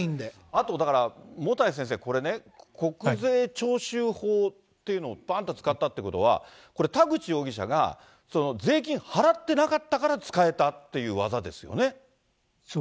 あとだから、もたい先生、これね、国税徴収法っていうのをばーんと使ったというのは、これ、田口容疑者が税金払ってなかったから使えたという技ですよね？